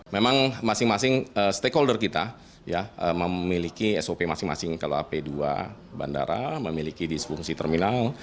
memang masing masing stakeholder kita memiliki sop masing masing kalau ap dua bandara memiliki disfungsi terminal